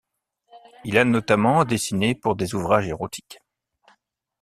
Il a notamment dessiné pour des ouvrages érotiques.